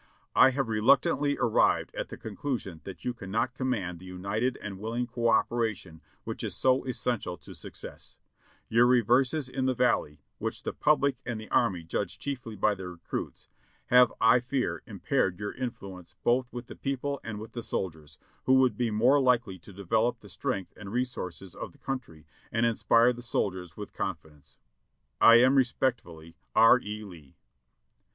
I have reluctantly arrived at the conclusion that you cannot command the united and willing co operation which is so es sential to success. Your reverses in the Valley, which the public and the army judge chiefly by the results, have, I fear, impaired your influence both with the people and with the soldiers. 66o JOHNNY REB AND BILLY YANK "I therefore feel constrained to endeavor to find a commander who would be more likely to develop the strength and resources of the country and inspire the soldiers with confidence. "I am respectfully, R. E. Lee."